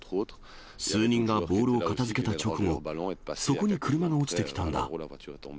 数人がボールを片づけた直後、そこに車が落ちてきたんだ。